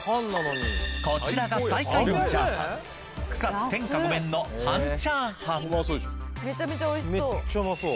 こちらが最下位のチャーハン草津天下ご麺のめちゃめちゃおいしそう。